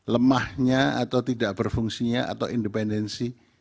lemahnya atau tidak berfungsinya atau independensi